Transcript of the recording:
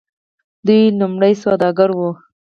دوی لومړی سوداګر وو.